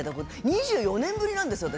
２４年ぶりなんです、私。